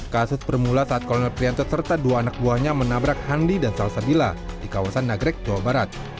kasus bermula saat kolonel prianto serta dua anak buahnya menabrak handi dan salsabila di kawasan nagrek jawa barat